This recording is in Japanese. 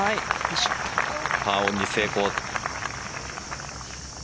パーオンに成功。